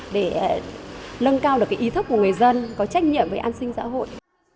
để nâng cao được ý thức của người dân có trách nhiệm về an sinh xã hội